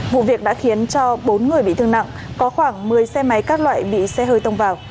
vụ việc đã khiến cho bốn người bị thương nặng có khoảng một mươi xe máy các loại bị xe hơi tông vào